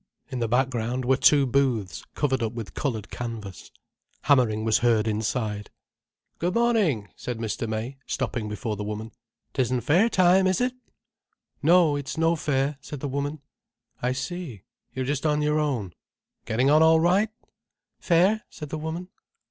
In the background were two booths covered up with coloured canvas. Hammering was heard inside. "Good morning!" said Mr. May, stopping before the woman. "'Tisn't fair time, is it?" "No, it's no fair," said the woman. "I see. You're just on your own. Getting on all right?" "Fair," said the woman.